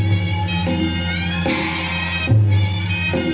สุดท้ายสุดท้ายสุดท้าย